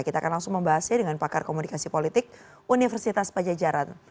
kita akan langsung membahasnya dengan pakar komunikasi politik universitas pajajaran